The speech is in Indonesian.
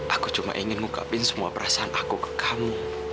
aku cuma ingin ngukapin semua perasaan aku ke kamu